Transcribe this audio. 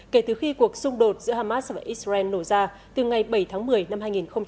kể từ khi cuộc xung đột giữa hamas và israel nổ ra từ ngày bảy tháng một mươi năm hai nghìn một mươi chín